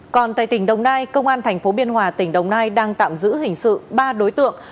còn tại tỉnh đồng nai công an thành phố biên hòa tỉnh đồng nai đang tạm giữ hình sự ba đối tượng